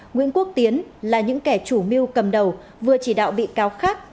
nguyễn quốc tiến là những kẻ chủ mưu cầm đầu vừa chỉ đạo bị cáo khác